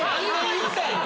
言いたいの？